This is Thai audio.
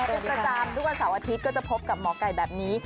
เป็นประจำทุกวันเสาร์อาทิตย์ก็จะพบกับหมอไก่แบบนี้